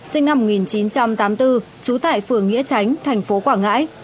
sinh năm một nghìn chín trăm tám mươi bốn trú tại phường nghĩa tránh thành phố quảng ngãi